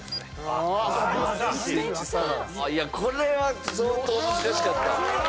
これは相当難しかった。